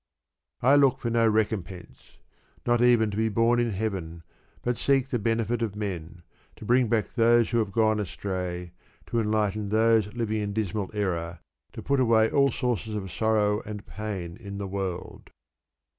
I look for no recompense not even to be born in heaven but seek the benefit of men, to bring back those who have gone astray, to enlighten those living in dismal error, to put away all sources of sorrow and pain in the world.